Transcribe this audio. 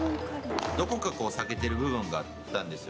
どこかこう、避けてる部分があったんですよ。